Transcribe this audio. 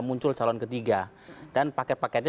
muncul calon ketiga dan paket paketnya